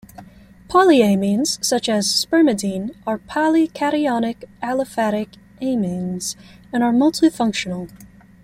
Polyamines, such as spermidine, are polycationic aliphatic amines and are multifunctional.